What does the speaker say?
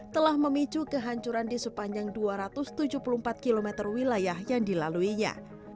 telah memicu kehancuran di sepanjang dua ratus tujuh puluh empat km wilayah yang dilaluinya